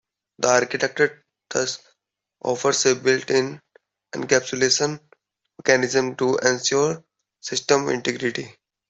The architecture thus offers a built-in encapsulation mechanism to ensure system integrity.